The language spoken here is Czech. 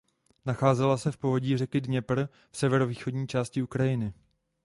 Nacházela se v povodí řeky Dněpr v severovýchodní části Ukrajiny.